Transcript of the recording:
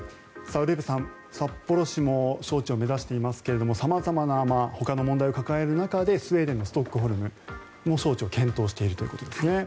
ウルヴェさん札幌市も招致を目指していますが様々なほかの問題を抱える中でスウェーデンのストックホルムも招致を検討しているということです。